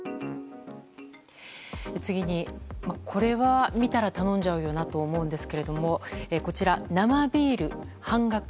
次に、これは見たら頼んじゃうよなと思うんですけれどもこちら、生ビール半額。